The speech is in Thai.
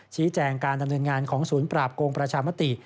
ชี้แจงการดำเนินงานของศูนย์ปราบโกงประชามติ